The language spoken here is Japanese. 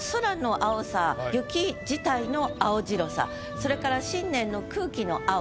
それから新年の空気の青さ。